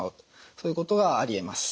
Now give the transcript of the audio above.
そういうことがありえます。